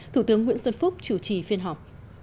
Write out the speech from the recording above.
thủ tướng nguyễn xuân phúc chủ trì phiên họp